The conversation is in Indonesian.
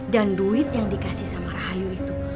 dan duit yang dikasih sama rahayu itu